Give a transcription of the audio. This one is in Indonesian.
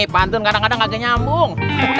pantun kadang kadang agak nyambung